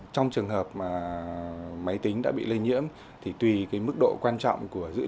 trong trường hợp mà máy tính đã bị lây nhiễm thì tùy cái mức độ quan trọng của dữ liệu